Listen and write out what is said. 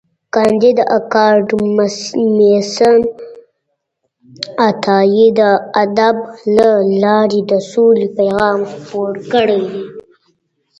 کانديد اکاډميسن عطايي د ادب له لارې د سولې پیغام خپور کړی دی.